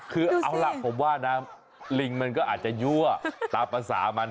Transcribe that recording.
คือเอาล่ะผมว่านะลิงมันก็อาจจะยั่วตามภาษามัน